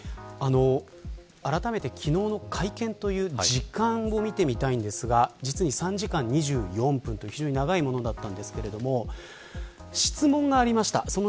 あらためて、昨日の会見という時間を見てみたいんですが実に３時間２４分と非常に長いものでした。